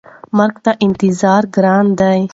مرګ ته انتظار ګران دی.